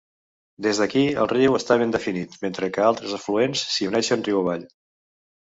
Des d'aquí, el riu està ben definit, mentre que altres afluents s'hi uneixen riu avall.